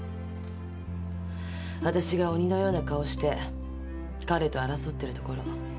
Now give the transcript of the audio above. わたしが鬼のような顔をして彼と争ってるところ。